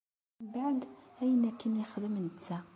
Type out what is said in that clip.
Mbeɛd ayen akken yexdem netta.